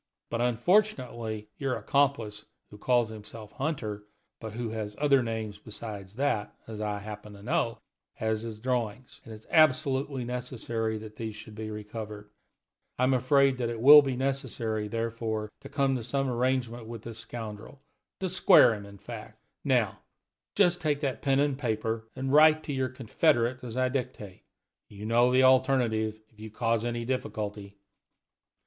But, unfortunately, your accomplice, who calls himself Hunter but who has other names besides that as I happen to know has the drawings, and it is absolutely necessary that these should be recovered. I am afraid that it will be necessary, therefore, to come to some arrangement with this scoundrel to square him, in fact. Now, just take that pen and paper, and write to your confederate as I dictate. You know the alternative if you cause any difficulty."